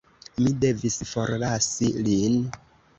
Mi devis forlasi lin.